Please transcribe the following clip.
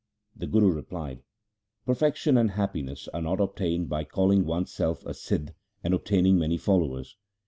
The Guru replied, ' Perfection and happiness are not obtained by calling one's self a Sidh and obtaining many followers.